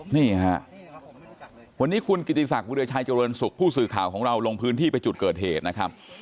นี่ฮะวันนี้คุณกิติศักดิราชัยเจริญสุขผู้สื่อข่าวของเราลงพื้นที่ไปจุดเกิดเหตุนะครับ